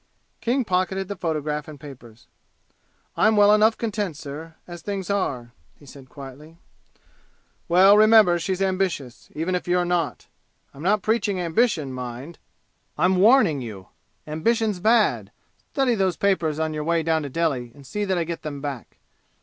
King pocketed the photograph and papers. "I'm well enough content, sir, as things are," he said quietly. "Well, remember she's ambitious, even if you're not! I'm not preaching ambition, mind I'm warning you! Ambition's bad! Study those papers on your way down to Delhi and see that I get them back."